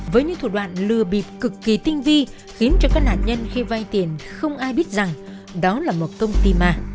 với những thủ đoạn lừa bịp cực kỳ tinh vi khiến cho các nạn nhân khi vay tiền không ai biết rằng đó là một công ty ma